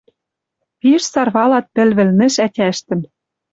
Пиш сарвалат «пӹл вӹлнӹш ӓтяштӹм».